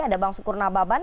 ada bang sukur nababan